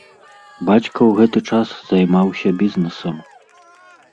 Бацька ў гэты час займаўся бізнэсам.